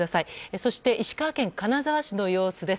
そして、石川県金沢市の様子です。